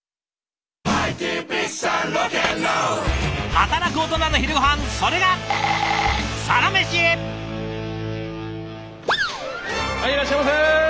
働くオトナの昼ごはんそれがはいいらっしゃいませ！